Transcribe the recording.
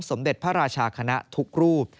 สมเด็จพระราชาคณะทุกรูป